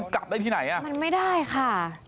กลับได้ที่ไหนอ่ะมันไม่ได้ค่ะ